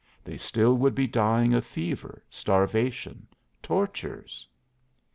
They still would be dying of fever, starvation, tortures."